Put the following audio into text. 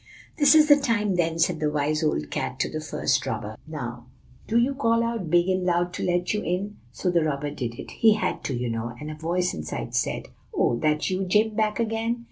"'This is the time, then,' said the wise old cat to the first robber. 'Now do you call out big and loud to let you in.' So the robber did it; he had to, you know; and a voice inside said, 'Oh! that you, Jim, back again?